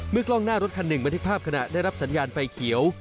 กล้องหน้ารถคันหนึ่งบันทึกภาพขณะได้รับสัญญาณไฟเขียว